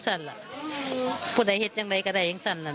ช่ะเออตัวช่วยอะไรคะ